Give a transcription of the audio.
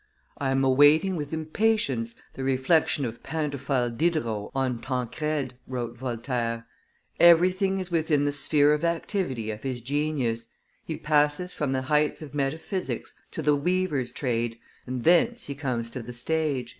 "I am awaiting with impatience the reflections of Pantophile Diderot on Tancrede," wrote Voltaire: "everything is within the sphere of activity of his genius: he passes from the heights of metaphysics to the weaver's trade, and thence he comes to the stage."